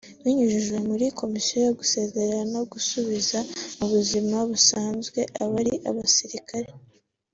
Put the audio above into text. Binyuze muri Komisiyo yo gusezerera no gusubiza mu buzima busanzwe abari abasirikare